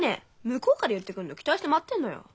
向こうから言ってくるのを期待して待ってんのよ。